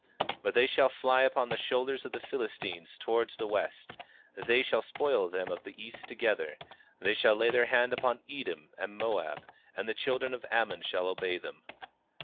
21:14 But they shall fly upon the shoulders of the Philistines towards the west; they shall spoil them of the east together; they shall lay their hand upon Edom and Moab; and the children of Ammon shall obey them.